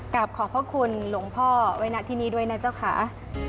ขอบพระคุณหลวงพ่อไว้ณที่นี่ด้วยนะเจ้าค่ะ